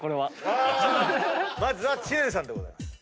まずは知念さんでございます。